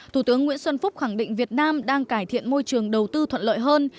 thủ tướng nguyễn xuân phúc khẳng định việt nam đang cải thiện môi trường đầu tư thuận lợi hơn